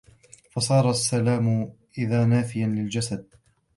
فَصَارَ السَّلَامُ إذًا نَافِيًا لِلْحَسَدِ